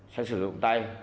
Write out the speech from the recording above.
sẽ sử dụng tay